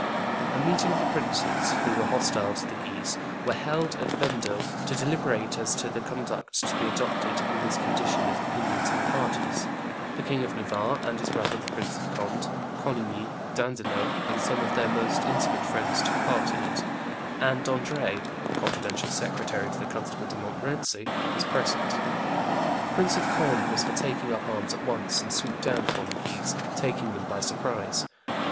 A meeting of the princes who were hostile to the Guises were held at Vendome to deliberate as to the conduct to be adopted in this condition of opinions and parties; the King of Navarre and his brother the Prince of Conde, Coligny, D'Andelot, and some of their most intimate friends took part in it; and D'Ardres, confidential secretary to the Constable de Montmorency, was present. The Prince of Conde was for taking up arms at once and swoop down upon the Guises, taking them by surprise.